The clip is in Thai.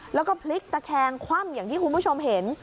แล้วก็พลิกตะแคงคว่ำอย่างที่คุณผู้ชมเห็น